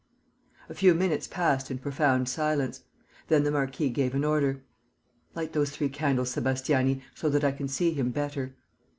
A few minutes passed in profound silence. Then the marquis gave an order: "Light those three candles, Sébastiani, so that I can see him better."